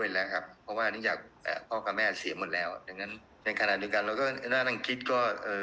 เพราะว่านี้จากพ่อกับแม่เสียหมดแล้วดังนั้นในขณะเดียวกันเราก็น่าต้องคิดก็